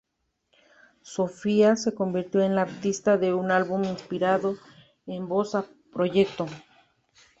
Sofía se convirtió en la artista de un álbum inspirado en bossa-proyecto.